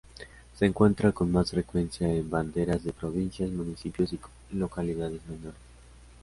Se encuentra con más frecuencia en banderas de provincias, municipios y localidades menores.